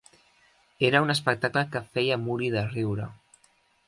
Era un espectacle que feia morir de riure.